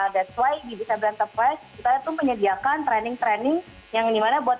that's why disabilitas enterprise kita itu menyediakan training training yang dimana buat